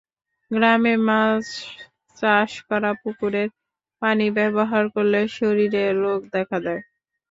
গ্রামে মাছ চাষ করা পুকুরের পানি ব্যবহার করলে শরীরে রোগ দেখা দেয়।